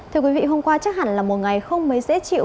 thưa quý vị hôm qua chắc hẳn là một ngày không mấy dễ chịu